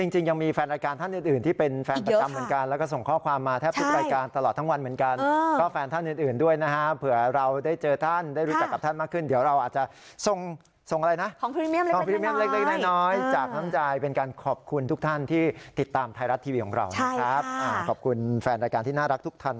จริงยังมีแฟนรายการท่านอื่นที่เป็นแฟนประจำเหมือนกันแล้วก็ส่งข้อความมาแทบทุกรายการตลอดทั้งวันเหมือนกันก็แฟนท่านอื่นด้วยนะฮะเผื่อเราได้เจอท่านได้รู้จักกับท่านมากขึ้นเดี๋ยวเราอาจจะส่งอะไรนะของพรีเมียมเล็กน้อยจากน้ำใจเป็นการขอบคุณทุกท่านที่ติดตามไทยรัฐทีวีของเรานะครับขอบคุณแฟนรายการที่น่ารักทุกท่าน